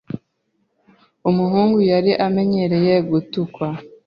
Umuhungu yari amenyereye gutukwa.